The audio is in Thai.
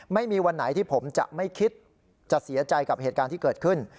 ไม่มีวันไหนที่ผมจะไม่คิดจะเสียใจกับเหตุการณ์ที่เกิดขึ้น